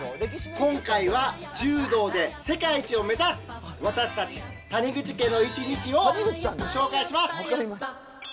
今回は柔道で世界一を目指す、私たち谷口家の１日をご紹介します。